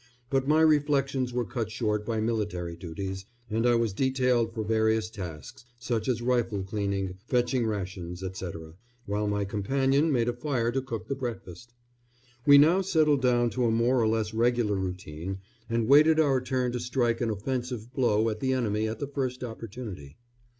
But my reflections were cut short by military duties, and I was detailed for various tasks, such as rifle cleaning, fetching rations, etc., while my companion made a fire to cook the breakfast. We now settled down to a more or less regular routine, and waited our turn to strike an offensive blow at the enemy at the first opportunity.